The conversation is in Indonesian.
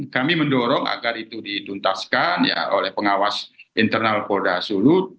kami mendorong agar itu dituntaskan oleh pengawas internal polda sulut